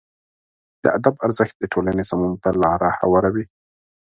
د ادب ارزښت د ټولنې سمون ته لاره هواروي.